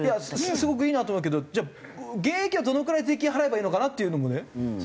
すごくいいなと思うけどじゃあ現役はどのくらい税金を払えばいいのかなというのもね。